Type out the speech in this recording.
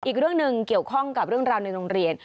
อีกเรื่องหนึ่งเกี่ยวข้องกับเรื่องราวในโรงเรียน